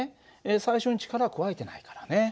最初に力は加えてないからね。